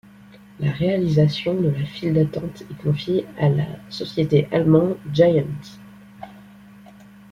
La réalisation de la file d'attente est confiée à la société allemand Giant.